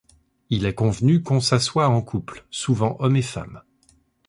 Il est convenu qu’on s’assoie en couple, souvent homme et femme.